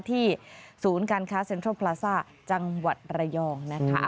ศูนย์การค้าเซ็นทรัลพลาซ่าจังหวัดระยองนะคะ